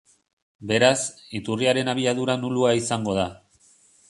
Beraz, iturriaren abiadura nulua izango da.